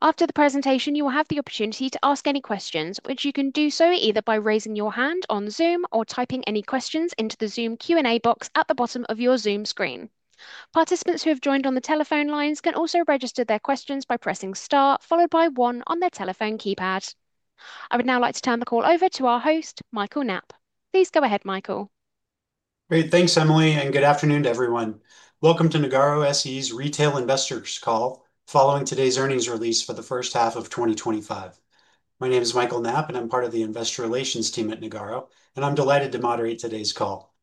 After the presentation, you will have the opportunity to ask any questions, which you can do either by raising your hand on Zoom or typing any questions into the Zoom Q&A box at the bottom of your Zoom screen. Participants who have joined on the telephone lines can also register their questions by pressing star followed by 1 on their telephone keypad. I would now like to turn the call over to our host, Michael Knapp. Please go ahead, Michael Great, thanks, Emily, and good afternoon to everyone. Welcome to Nagarro SE's Retail Investors Call, following today's earnings release for the first half of 2025. My name is Michael Knapp, and I'm part of the Investor Relations team at Nagarro, and I'm delighted to moderate today's call.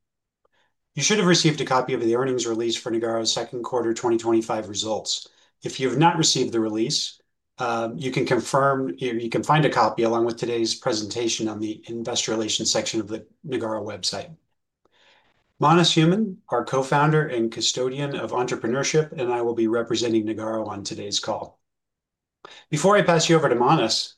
You should have received a copy of the earnings release for Nagarro's second quarter 2025 results. If you have not received the release, you can find a copy along with today's presentation on the Investor Relations section of the Nagarro website. Manas Human, our Co-founder and Custodian of Entrepreneurship, and I will be representing Nagarro on today's call. Before I pass you over to Manas,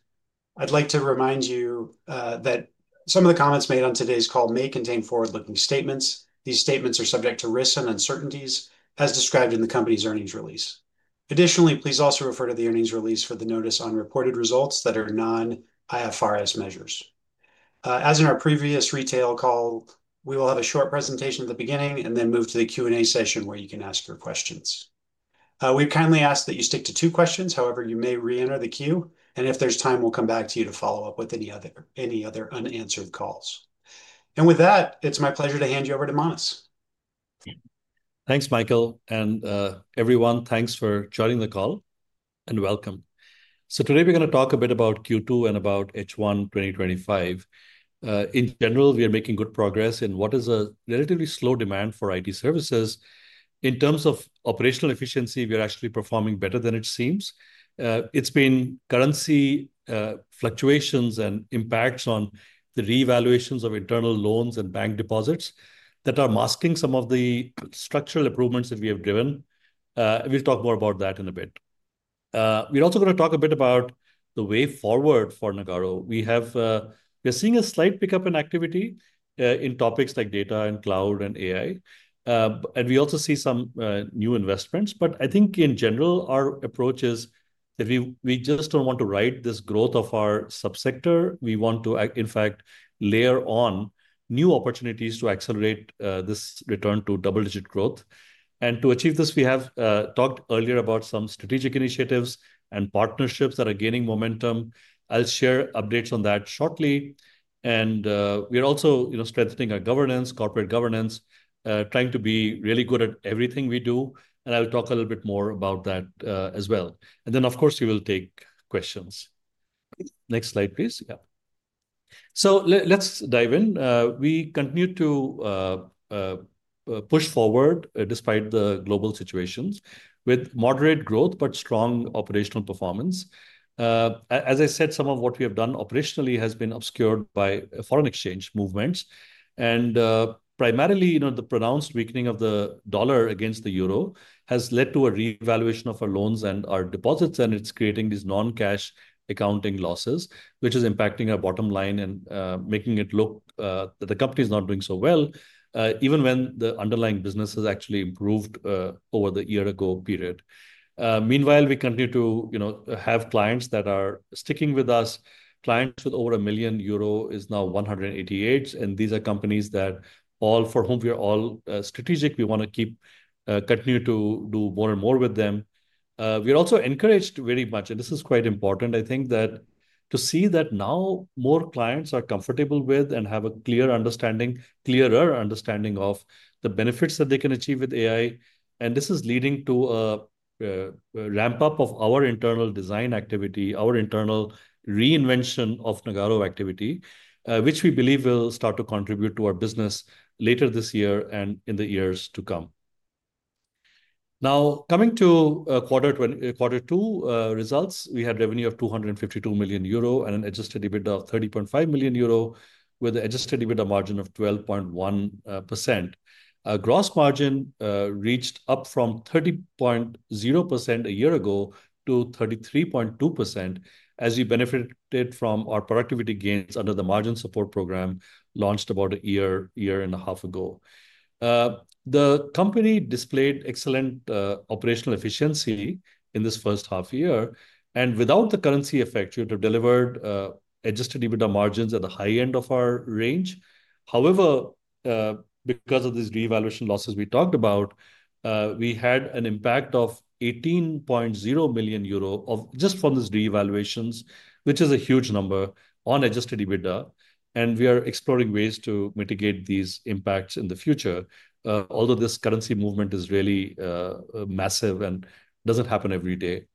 I'd like to remind you that some of the comments made on today's call may contain forward-looking statements. These statements are subject to risk and uncertainties, as described in the company's earnings release. Additionally, please also refer to the earnings release for the notice on reported results that are non-IFRS measures. As in our previous retail call, we will have a short presentation at the beginning and then move to the Q&A session where you can ask your questions. We kindly ask that you stick to two questions. However, you may re-enter the queue, and if there's time, we'll come back to you to follow up with any other unanswered calls. With that, it's my pleasure to hand you over to Manas. Thanks, Michael, and everyone, thanks for joining the call and welcome. Today we're going to talk a bit about Q2 and about H1 2025. In general, we are making good progress in what is a relatively slow demand for IT services. In terms of operational efficiency, we are actually performing better than it seems. It's been currency fluctuations and impacts on the re-evaluations of internal loans and bank deposits that are masking some of the structural improvements that we have driven. We'll talk more about that in a bit. We're also going to talk a bit about the way forward for Nagarro. We are seeing a slight pickup in activity in topics like data and cloud and AI, and we also see some new investments. I think in general, our approach is that we just don't want to ride this growth of our subsector. We want to, in fact, layer on new opportunities to accelerate this return to double-digit growth. To achieve this, we have talked earlier about some strategic initiatives and partnerships that are gaining momentum. I'll share updates on that shortly. We're also strengthening our governance, corporate governance, trying to be really good at everything we do. I'll talk a little bit more about that as well. Of course, we will take questions. Next slide, please. Yeah. Let's dive in. We continue to push forward despite the global situations, with moderate growth but strong operational performance. As I said, some of what we have done operationally has been obscured by foreign exchange movements. Primarily, the pronounced weakening of the dollar against the euro has led to a re-evaluation of our loans and our deposits, and it's creating these non-cash accounting losses, which is impacting our bottom line and making it look that the company is not doing so well, even when the underlying business has actually improved over the year ago period. Meanwhile, we continue to have clients that are sticking with us. Clients with over 1 million euro are now 188, and these are companies for whom we are all strategic. We want to continue to do more and more with them. We are also encouraged very much, and this is quite important, I think, to see that now more clients are comfortable with and have a clearer understanding of the benefits that they can achieve with AI. This is leading to a ramp-up of our internal design activity, our internal reinvention of Nagarro activity, which we believe will start to contribute to our business later this year and in the years to come. Now, coming to quarter two results, we had revenue of 252 million euro and an adjusted EBITDA of 30.5 million euro, with an adjusted EBITDA margin of 12.1%. Gross margin reached up from 30.0% a year ago to 33.2% as we benefited from our productivity gains under the margin support program launched about a year, year and a half ago. The company displayed excellent operational efficiency in this first half year, and without the currency effect, you would have delivered adjusted EBITDA margins at the high end of our range. However, because of these re-evaluation losses we talked about, we had an impact of 18.0 million euro just from these re-evaluations, which is a huge number on adjusted EBITDA. We are exploring ways to mitigate these impacts in the future, although this currency movement is really massive and doesn't happen every day.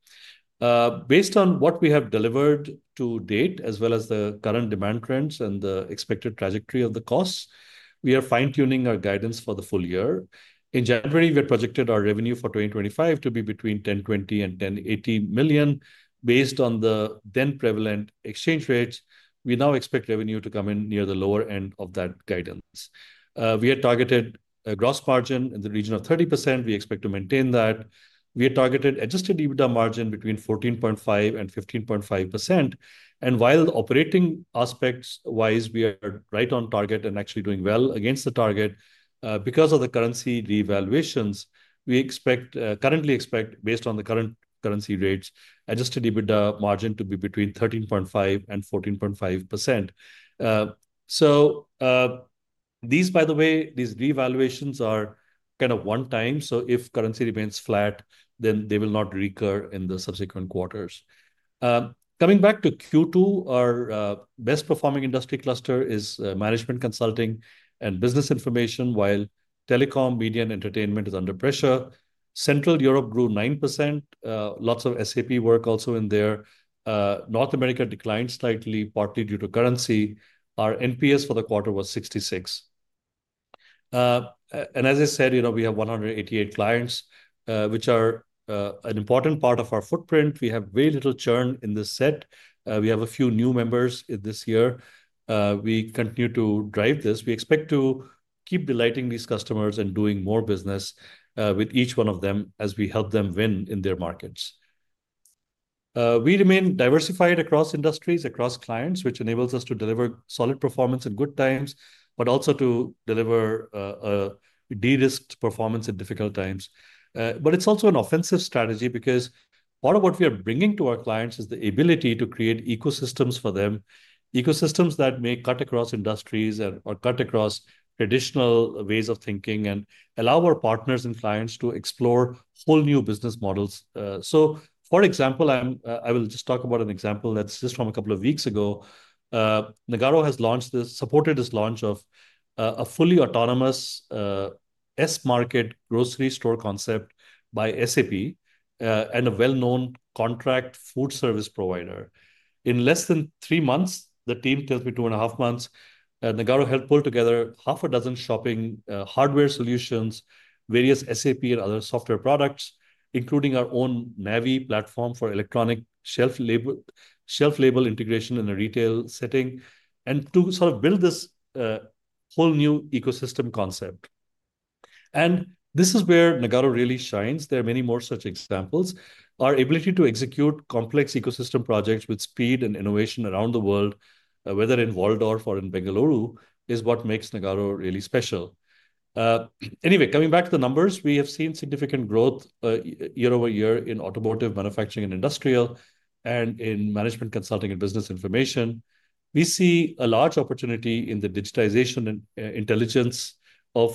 Based on what we have delivered to date, as well as the current demand trends and the expected trajectory of the costs, we are fine-tuning our guidance for the full year. In January, we had projected our revenue for 2025 to be between 1,020 million and 1,080 million. Based on the then prevalent exchange rates, we now expect revenue to come in near the lower end of that guidance. We had targeted a gross margin in the region of 30%. We expect to maintain that. We had targeted adjusted EBITDA margin between 14.5% and 15.5%. While operating aspects-wise, we are right on target and actually doing well against the target. Because of the currency re-evaluations, we currently expect, based on the current currency rates, adjusted EBITDA margin to be between 13.5% and 14.5%. These re-evaluations are kind of one-time. If currency remains flat, then they will not recur in the subsequent quarters. Coming back to Q2, our best-performing industry cluster is management consulting and business information, while telecom, media, and entertainment are under pressure. Central Europe grew 9%. Lots of SAP work also in there. North America declined slightly, partly due to currency. Our NPS for the quarter was 66. We have 188 clients, which are an important part of our footprint. We have very little churn in this set. We have a few new members this year. We continue to drive this. We expect to keep delighting these customers and doing more business with each one of them as we help them win in their markets. We remain diversified across industries, across clients, which enables us to deliver solid performance at good times, but also to deliver a de-risked performance at difficult times. It is also an offensive strategy because part of what we are bringing to our clients is the ability to create ecosystems for them, ecosystems that may cut across industries or cut across traditional ways of thinking and allow our partners and clients to explore whole new business models. For example, I will just talk about an example that's just from a couple of weeks ago. Nagarro has supported this launch of a fully autonomous, S-market grocery store concept by SAP and a well-known contract food service provider. In less than three months, the team tells me two and a half months, Nagarro helped pull together half a dozen shopping hardware solutions, various SAP and other software products, including our own Navi platform for electronic shelf label integration in a retail setting, and to sort of build this whole new ecosystem concept. This is where Nagarro really shines. There are many more such examples. Our ability to execute complex ecosystem projects with speed and innovation around the world, whether in Waldorf or in Bengaluru, is what makes Nagarro really special. Anyway, coming back to the numbers, we have seen significant growth year-over-year in automotive, manufacturing, and industrial, and in management consulting and business information. We see a large opportunity in the digitization and intelligence of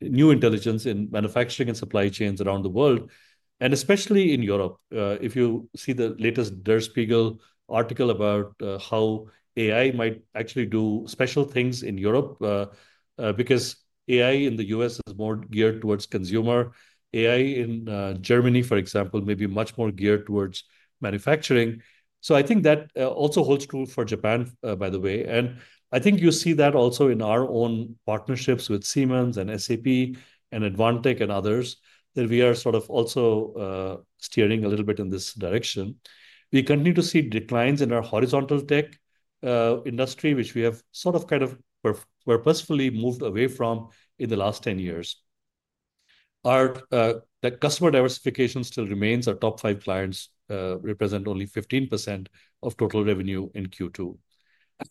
new intelligence in manufacturing and supply chains around the world, and especially in Europe. If you see the latest Der Spiegel article about how AI might actually do special things in Europe, because AI in the U.S. is more geared towards consumer. AI in Germany, for example, may be much more geared towards manufacturing. I think that also holds true for Japan, by the way. I think you see that also in our own partnerships with Siemens and SAP and Advantech and others, that we are sort of also steering a little bit in this direction. We continue to see declines in our horizontal tech industry, which we have sort of kind of purposefully moved away from in the last 10 years. Our customer diversification still remains. Our top five clients represent only 15% of total revenue in Q2.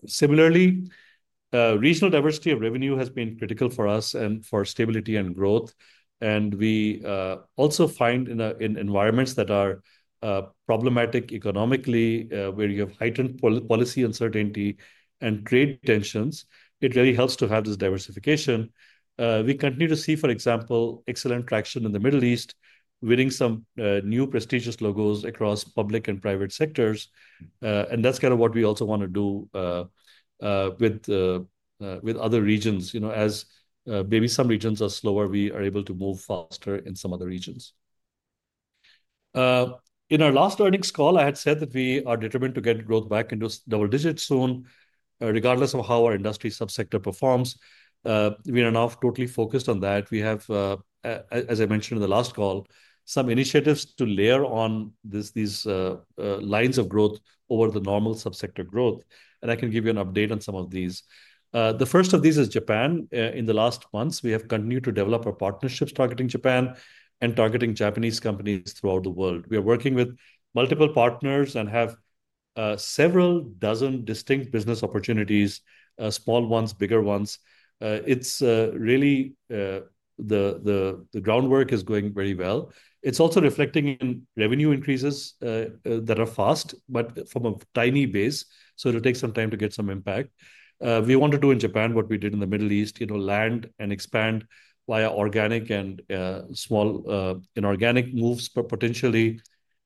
Similarly, regional diversity of revenue has been critical for us and for stability and growth. We also find in environments that are problematic economically, where you have heightened policy uncertainty and trade tensions, it really helps to have this diversification. We continue to see, for example, excellent traction in the Middle East, winning some new prestigious logos across public and private sectors. That is kind of what we also want to do with other regions. You know, as maybe some regions are slower, we are able to move faster in some other regions. In our last earnings call, I had said that we are determined to get growth back into double digits soon, regardless of how our industry subsector performs. We are now totally focused on that. We have, as I mentioned in the last call, some initiatives to layer on these lines of growth over the normal subsector growth. I can give you an update on some of these. The first of these is Japan. In the last months, we have continued to develop our partnerships targeting Japan and targeting Japanese companies throughout the world. We are working with multiple partners and have several dozen distinct business opportunities, small ones, bigger ones. The groundwork is going very well. It is also reflecting in revenue increases that are fast, but from a tiny base, so it will take some time to get some impact. We want to do in Japan what we did in the Middle East, land and expand via organic and small inorganic moves potentially.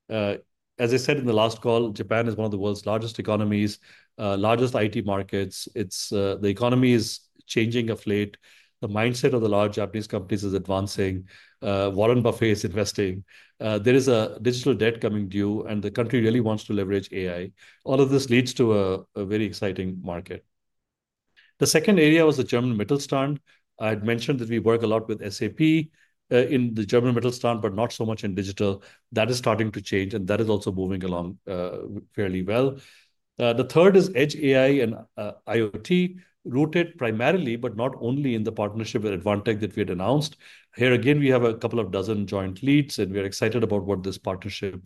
As I said in the last call, Japan is one of the world's largest economies, largest IT markets. The economy is changing of late. The mindset of the large Japanese companies is advancing. Warren Buffett is investing. There is a digital debt coming due, and the country really wants to leverage AI. All of this leads to a very exciting market. The second area was the German Mittelstand. I had mentioned that we work a lot with SAP in the German Mittelstand, but not so much in digital. That is starting to change, and that is also moving along fairly well. The third is Edge AI and IoT, rooted primarily, but not only in the partnership with Advantech that we had announced. Here again, we have a couple of dozen joint leads, and we are excited about what this partnership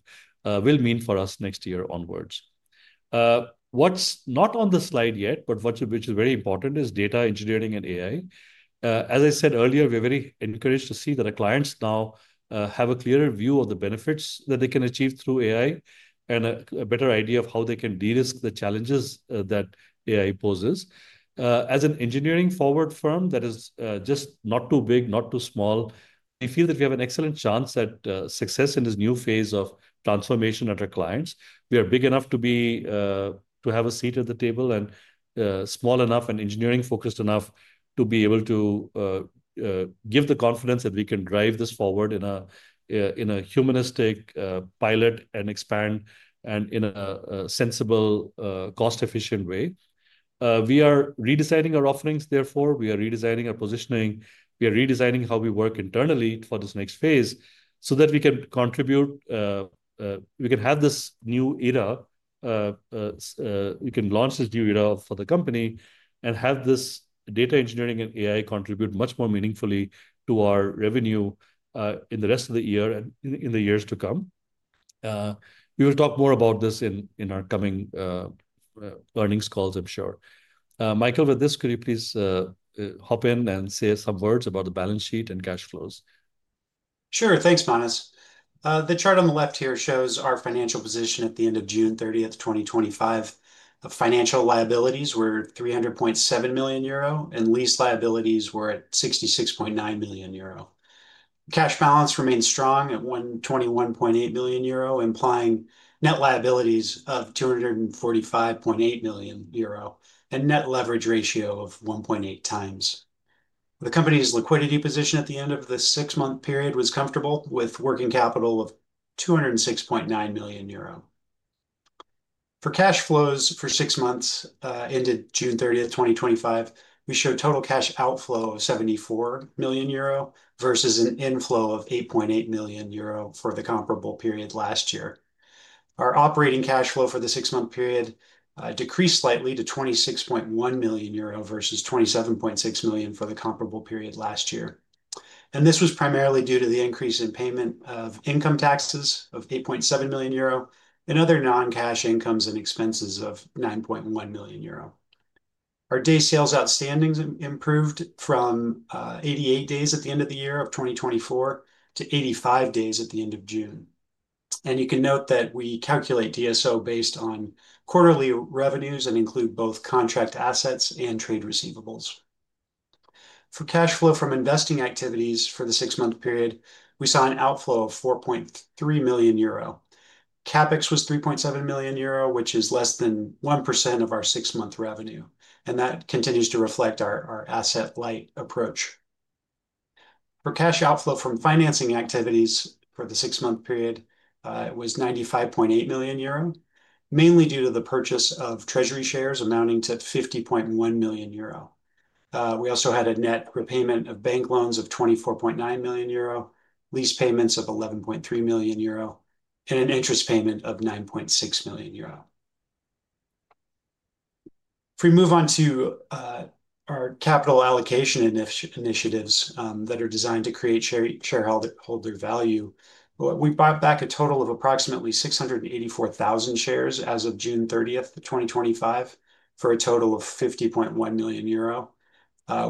will mean for us next year onwards. What is not on the slide yet, but which is very important, is data engineering and AI. As I said earlier, we're very encouraged to see that our clients now have a clearer view of the benefits that they can achieve through AI and a better idea of how they can de-risk the challenges that AI poses. As an engineering forward firm that is just not too big, not too small, I feel that we have an excellent chance at success in this new phase of transformation at our clients. We are big enough to have a seat at the table, and small enough and engineering-focused enough to be able to give the confidence that we can drive this forward in a humanistic pilot and expand in a sensible, cost-efficient way. We are redesigning our offerings, therefore. We are redesigning our positioning. We are redesigning how we work internally for this next phase so that we can contribute. We can have this new era, we can launch this new era for the company and have this data engineering and AI contribute much more meaningfully to our revenue in the rest of the year and in the years to come. We will talk more about this in our coming earnings calls, I'm sure. Michael, with this, could you please hop in and say some words about the balance sheet and cash flows? Sure, thanks, Manas. The chart on the left here shows our financial position at the end of June 30, 2025. Financial liabilities were 300.7 million euro, and lease liabilities were at 66.9 million euro. Cash balance remains strong at 121.8 million euro, implying net liabilities of 245.8 million euro and a net leverage ratio of 1.8 times. The company's liquidity position at the end of the six-month period was comfortable with working capital of 206.9 million euro. For cash flows for six months ended June 30, 2025, we show total cash outflow of 74 million euro versus an inflow of 8.8 million euro for the comparable period last year. Our operating cash flow for the six-month period decreased slightly to 26.1 million euro versus 27.6 million for the comparable period last year. This was primarily due to the increase in payment of income taxes of 8.7 million euro and other non-cash incomes and expenses of 9.1 million euro. Our day sales outstandings improved from 88 days at the end of the year of 2024 to 85 days at the end of June. You can note that we calculate DSO based on quarterly revenues and include both contract assets and trade receivables. For cash flow from investing activities for the six-month period, we saw an outflow of 4.3 million euro. CapEx was 3.7 million euro, which is less than 1% of our six-month revenue, and that continues to reflect our asset-light approach. For cash outflow from financing activities for the six-month period, it was 95.8 million euro, mainly due to the purchase of treasury shares amounting to 50.1 million euro. We also had a net repayment of bank loans of 24.9 million euro, lease payments of 11.3 million euro, and an interest payment of 9.6 million euro. If we move on to our capital allocation initiatives that are designed to create shareholder value, we bought back a total of approximately 684,000 shares as of June 30, 2025, for a total of 50.1 million euro.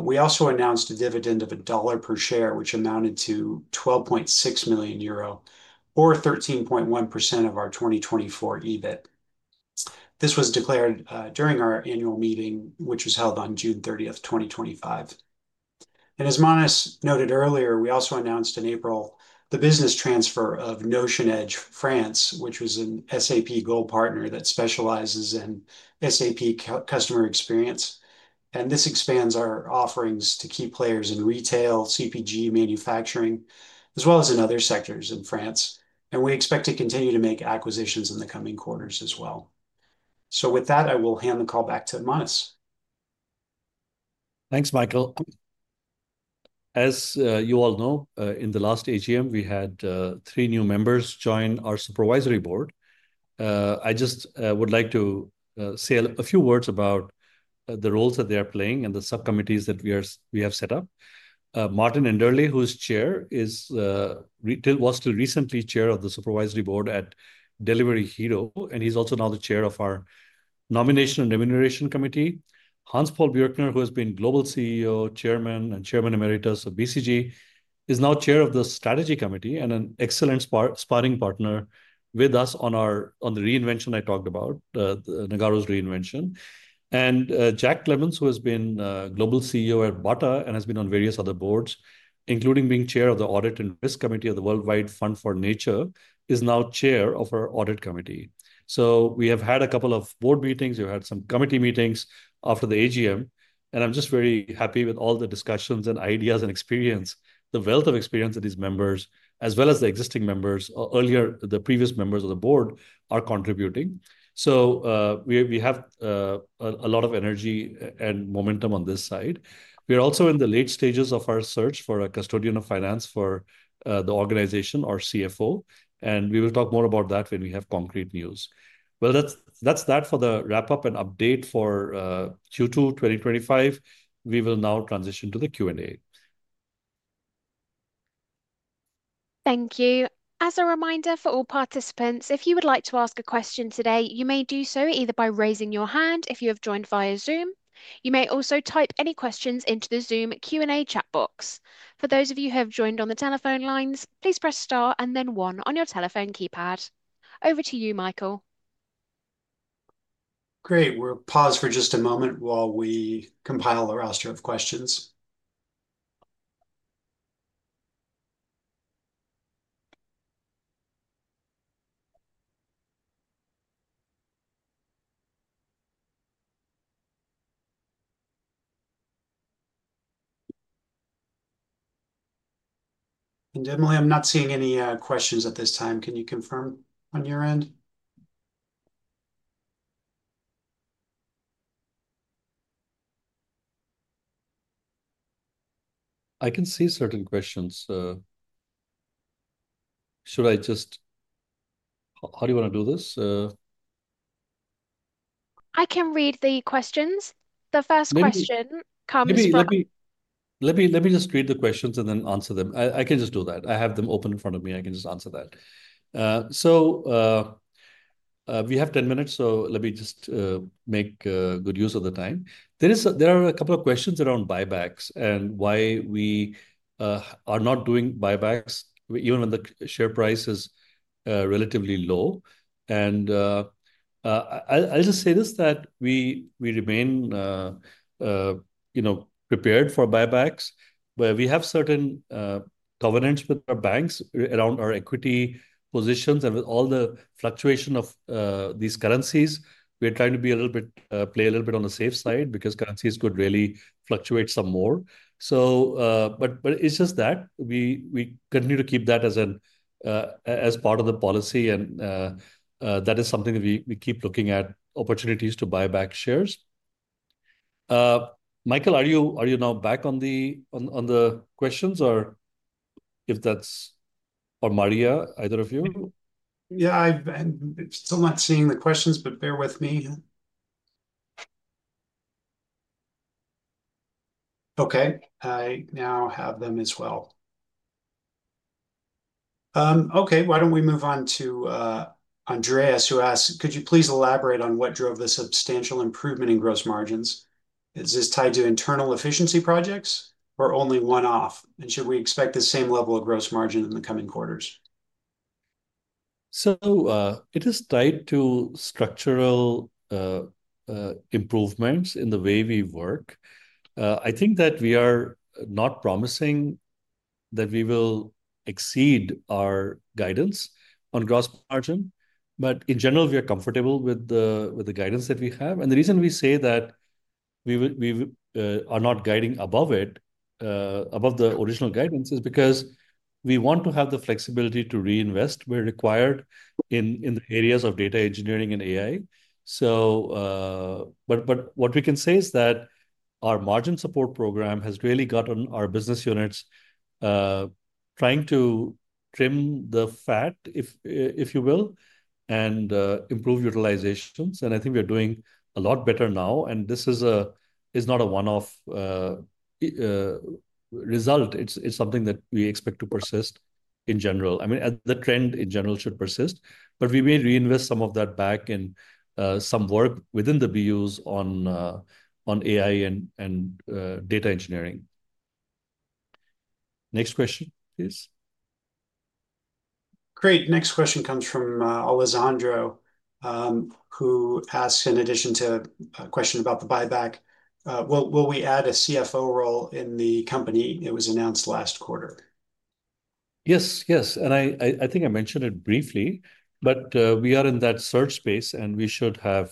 We also announced a dividend of $1 per share, which amounted to 12.6 million euro, or 13.1% of our 2024 EBIT. This was declared during our annual meeting, which was held on June 30, 2025. As Manas noted earlier, we also announced in April the business transfer of Notion Edge France, which was an SAP Gold Partner that specializes in SAP customer experience. This expands our offerings to key players in retail, CPG, manufacturing, as well as in other sectors in France. We expect to continue to make acquisitions in the coming quarters as well. With that, I will hand the call back to Manas. Thanks, Michael. As you all know, in the last AGM, we had three new members join our Supervisory Board. I just would like to say a few words about the roles that they are playing and the subcommittees that we have set up. Martin Enderle, who's Chair, was still recently Chair of the Supervisory Board at Delivery Hero, and he's also now the Chair of our Nomination and Remuneration Committee. Hans-Paul Bürkner, who has been global CEO, Chairman, and Chairman Emeritus of BCG, is now Chair of the Strategy Committee and an excellent sparring partner with us on the reinvention I talked about, Nagarro's reinvention. Jack Clemens, who has been global CEO at Varta and has been on various other boards, including being Chair of the Audit and Risk Committee of the Worldwide Fund for Nature, is now Chair of our Audit Committee. We have had a couple of board meetings. We've had some committee meetings after the AGM, and I'm just very happy with all the discussions and ideas and experience, the wealth of experience that these members, as well as the existing members, earlier, the previous members of the board, are contributing. We have a lot of energy and momentum on this side. We are also in the late stages of our search for a Custodian of Finance for the organization, our CFO, and we will talk more about that when we have concrete news. That's that for the wrap-up and update for Q2 2025. We will now transition to the Q&A. Thank you. As a reminder for all participants, if you would like to ask a question today, you may do so either by raising your hand if you have joined via Zoom. You may also type any questions into the Zoom Q&A chat box. For those of you who have joined on the telephone lines, please press star and then one on your telephone keypad. Over to you, Michael. Great. We'll pause for just a moment while we compile our questions. Emily, I'm not seeing any questions at this time. Can you confirm on your end? I can see certain questions. Should I just, how do you want to do this? I can read the questions. The first question comes from. Let me just read the questions and then answer them. I can just do that. I have them open in front of me. I can just answer that. We have 10 minutes, so let me just make good use of the time. There are a couple of questions around buybacks and why we are not doing buybacks, even when the share price is relatively low. I'll just say this, that we remain prepared for buybacks, but we have certain covenants with our banks around our equity positions. With all the fluctuation of these currencies, we're trying to be a little bit, play a little bit on the safe side because currencies could really fluctuate some more. It's just that we continue to keep that as part of the policy, and that is something that we keep looking at, opportunities to buy back shares. Michael, are you now back on the questions, or if that's for Maria, either of you? Yeah, I'm still not seeing the questions, but bear with me. Okay, I now have them as well. Okay, why don't we move on to Andreas, who asks, could you please elaborate on what drove the substantial improvement in gross margins? Is this tied to internal efficiency projects or only one-off? Should we expect the same level of gross margin in the coming quarters? It is tied to structural improvements in the way we work. I think that we are not promising that we will exceed our guidance on gross margin, but in general, we are comfortable with the guidance that we have. The reason we say that we are not guiding above it, above the original guidance, is because we want to have the flexibility to reinvest where required in the areas of data engineering and AI. What we can say is that our margin support program has really gotten our business units trying to trim the fat, if you will, and improve utilizations. I think we are doing a lot better now. This is not a one-off result. It's something that we expect to persist in general. The trend in general should persist, but we may reinvest some of that back in some work within the BUs on AI and data engineering. Next question, please. Great. Next question comes from Alejandro, who asked, in addition to a question about the buyback, will we add a CFO role in the company? It was announced last quarter. Yes, I think I mentioned it briefly, but we are in that search phase, and we should have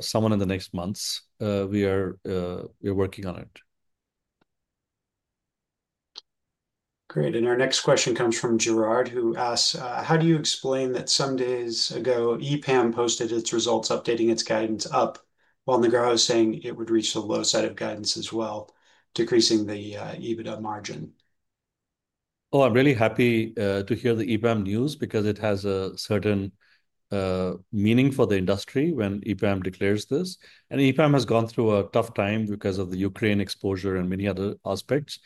someone in the next months. We are working on it. Great. Our next question comes from Girard, who asks, how do you explain that some days ago, EPAM posted its results, updating its guidance up, while Nagarro is saying it would reach the low side of guidance as well, decreasing the EBITDA margin? I'm really happy to hear the EPAM news because it has a certain meaning for the industry when EPAM declares this. EPAM has gone through a tough time because of the Ukraine exposure and many other aspects.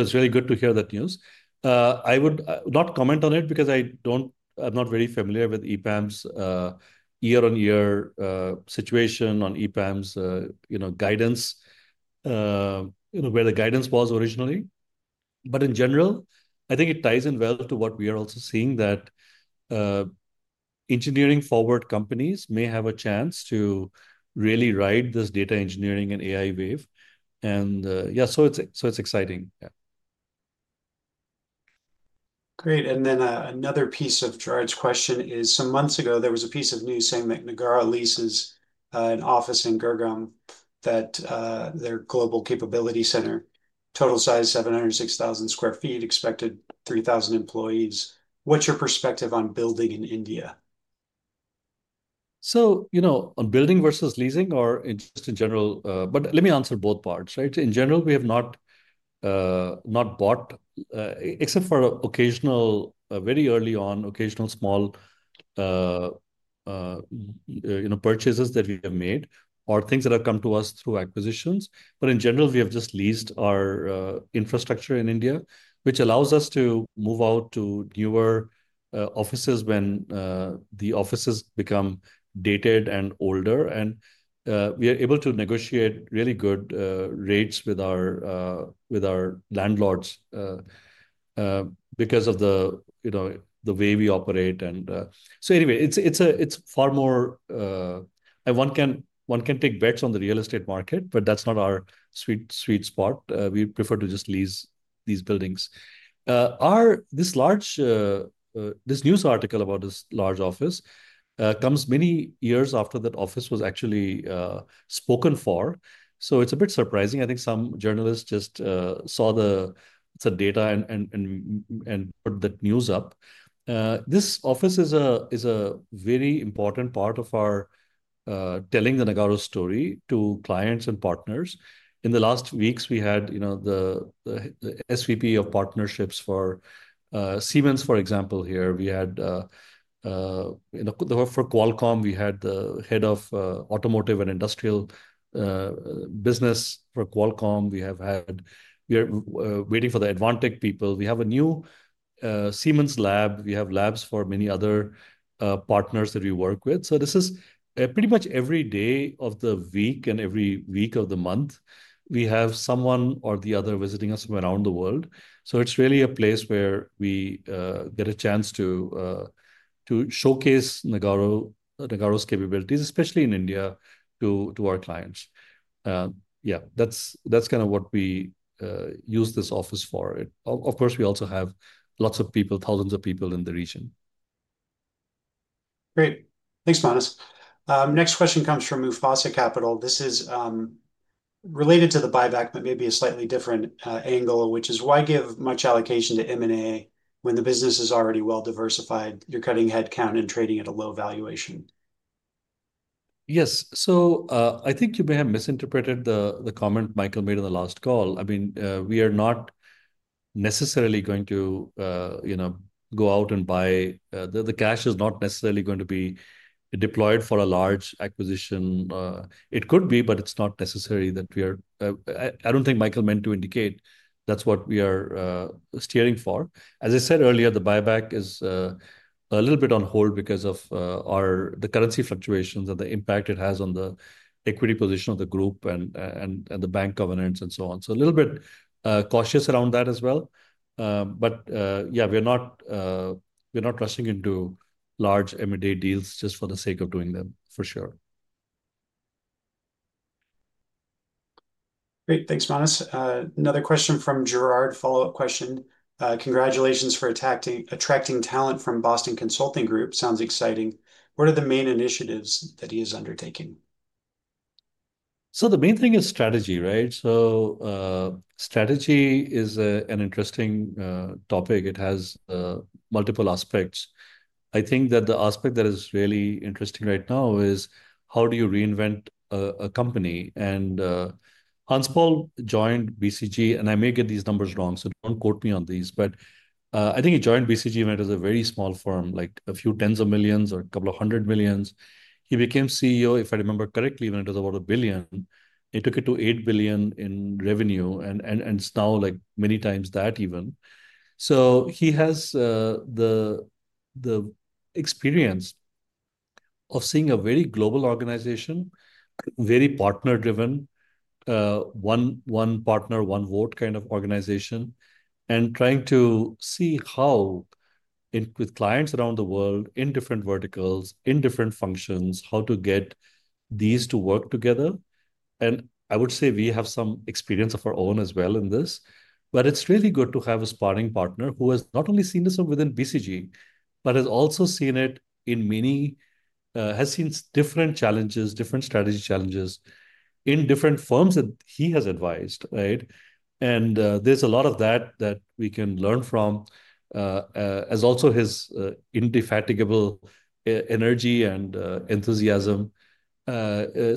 It's really good to hear that news. I would not comment on it because I don't, I'm not very familiar with EPAM's year-on-year situation on EPAM's guidance, where the guidance was originally. In general, I think it ties in well to what we are also seeing, that engineering-forward companies may have a chance to really ride this data engineering and AI wave. Yeah, it's exciting. Great. Another piece of Girard's question is, some months ago, there was a piece of news saying that Nagarro leases an office in Gurgaon, their global capability center. Total size is 706,000 sqft, expected 3,000 employees. What's your perspective on building in India? On building versus leasing or just in general, let me answer both parts, right? In general, we have not bought, except for occasional, very early on, occasional small purchases that we have made or things that have come to us through acquisitions. In general, we have just leased our infrastructure in India, which allows us to move out to newer offices when the offices become dated and older. We are able to negotiate really good rates with our landlords because of the way we operate. Anyway, it's far more, one can take bets on the real estate market, but that's not our sweet spot. We prefer to just lease these buildings. This news article about this large office comes many years after that office was actually spoken for. It's a bit surprising. I think some journalists just saw the data and put that news up. This office is a very important part of our telling the Nagarro story to clients and partners. In the last weeks, we had the Senior Vice President of Partnerships for Siemens, for example, here. We had the work for Qualcomm. We had the Head of Automotive and Industrial Business for Qualcomm. We are waiting for the Advantech people. We have a new Siemens lab. We have labs for many other partners that we work with. Pretty much every day of the week and every week of the month, we have someone or the other visiting us from around the world. It's really a place where we get a chance to showcase Nagarro's capabilities, especially in India, to our clients. That's kind of what we use this office for. Of course, we also have lots of people, thousands of people in the region. Great. Thanks, Manas. Next question comes from Mufasa Capital. This is related to the buyback, but maybe a slightly different angle, which is, why give much allocation to M&A when the business is already well diversified? You're cutting headcount and trading at a low valuation. Yes, so I think you may have misinterpreted the comment Michael made in the last call. I mean, we are not necessarily going to go out and buy. The cash is not necessarily going to be deployed for a large acquisition. It could be, but it's not necessary that we are, I don't think Michael meant to indicate that's what we are steering for. As I said earlier, the buyback is a little bit on hold because of the currency fluctuations and the impact it has on the equity position of the group and the bank covenants and so on. A little bit cautious around that as well. Yeah, we're not rushing into large M&A deals just for the sake of doing them, for sure. Great. Thanks, Manas. Another question from Girard, follow-up question. Congratulations for attracting talent from Boston Consulting Group. Sounds exciting. What are the main initiatives that he is undertaking? The main thing is strategy, right? Strategy is an interesting topic. It has multiple aspects. I think that the aspect that is really interesting right now is how do you reinvent a company? Hans-Paul joined BCG, and I may get these numbers wrong, so don't quote me on these, but I think he joined BCG when it was a very small firm, like a few tens of millions or a couple of hundred million. He became CEO, if I remember correctly, when it was about $1 billion. He took it to $8 billion in revenue, and it's now like many times that even. He has the experience of seeing a very global organization, very partner-driven, one partner, one vote kind of organization, and trying to see how with clients around the world in different verticals, in different functions, how to get these to work together. I would say we have some experience of our own as well in this, but it's really good to have a sparring partner who has not only seen this within BCG, but has also seen it in many, has seen different challenges, different strategy challenges in different firms that he has advised, right? There's a lot of that that we can learn from, as also his indefatigable energy and enthusiasm. He's leading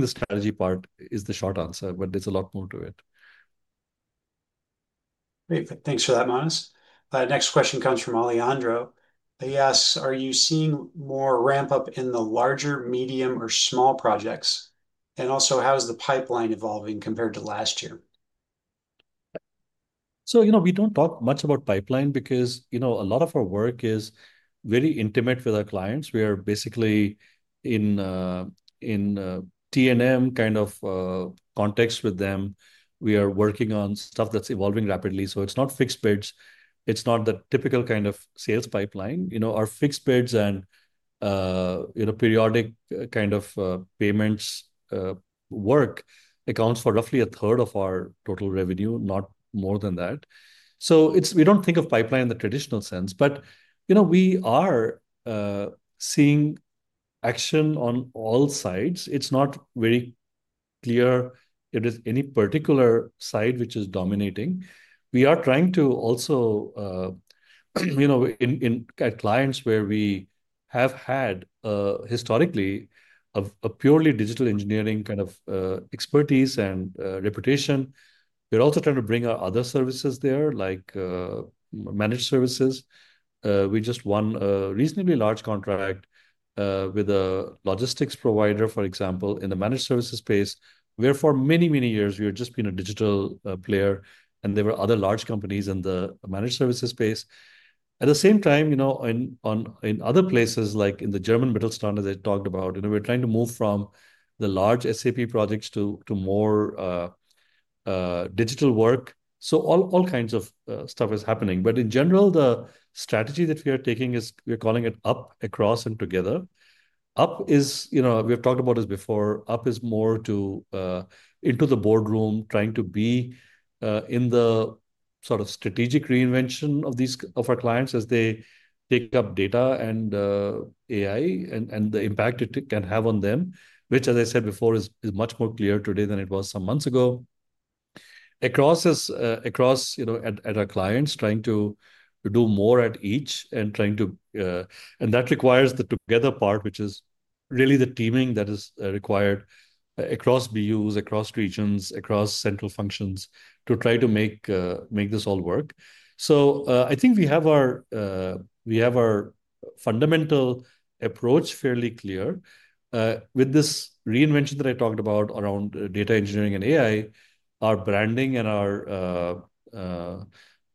the strategy part is the short answer, but there's a lot more to it. Great. Thanks for that, Manas. Next question comes from Alejandro. He asks, are you seeing more ramp-up in the larger, medium, or small projects? Also, how is the pipeline evolving compared to last year? We don't talk much about pipeline because a lot of our work is very intimate with our clients. We are basically in TNM kind of context with them. We are working on stuff that's evolving rapidly. It's not fixed bids. It's not the typical kind of sales pipeline. Our fixed bids and periodic kind of payments work accounts for roughly a third of our total revenue, not more than that. We don't think of pipeline in the traditional sense, but we are seeing action on all sides. It's not very clear it is any particular side which is dominating. We are trying to also, in clients where we have had historically a purely digital engineering kind of expertise and reputation, we're also trying to bring our other services there, like managed services. We just won a reasonably large contract with a logistics provider, for example, in the managed services space, where for many, many years we had just been a digital player, and there were other large companies in the managed services space. At the same time, in other places, like in the German Mittelstand, as I talked about, we're trying to move from the large SAP projects to more digital work. All kinds of stuff is happening. In general, the strategy that we are taking is we're calling it Up, Across, and Together. Up is, we've talked about this before. Up is more into the boardroom, trying to be in the sort of strategic reinvention of our clients as they take up data and AI and the impact it can have on them, which, as I said before, is much more clear today than it was some months ago. Across is, at our clients, trying to do more at each and trying to, and that requires the together part, which is really the teaming that is required across BUs, across regions, across central functions to try to make this all work. I think we have our fundamental approach fairly clear. With this reinvention that I talked about around data engineering and AI, our branding and our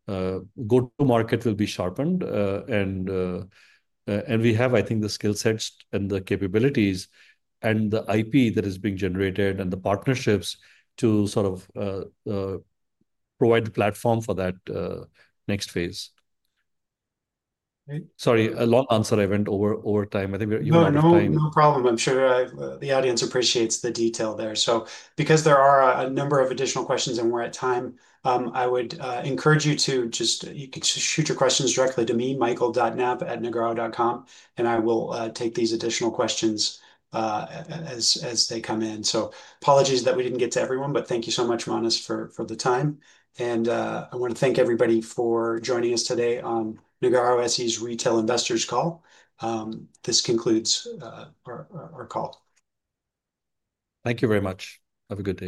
go-to-market will be sharpened. We have, I think, the skill sets and the capabilities and the IP that is being generated and the partnerships to sort of provide the platform for that next phase. Sorry, a long answer. I went over time. No problem. I'm sure the audience appreciates the detail there. Because there are a number of additional questions and we're at time, I would encourage you to just shoot your questions directly to me, michael.knapp@nagarro.com, and I will take these additional questions as they come in. Apologies that we didn't get to everyone, but thank you so much, Manas, for the time. I want to thank everybody for joining us today on Nagarro SE's Retail Investors Call. This concludes our call. Thank you very much. Have a good day.